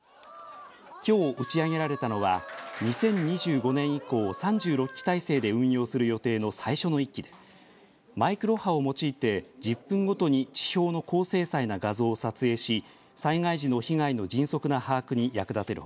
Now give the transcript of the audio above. きょう打ち上げられたのは２０２５年以降３６基体制で運用する予定の最初の１基でマイクロ波を用いて１０分ごとに地表の高精細な画像を撮影し災害時の被害の迅速な把握に役立てる